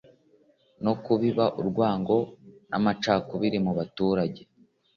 no kubiba urwango n’amacakubiri mu baturage